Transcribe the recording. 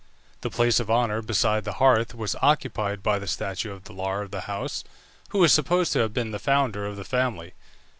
The place of honour beside the hearth was occupied by the statue of the Lar of the house, who was supposed to have been the founder of the family.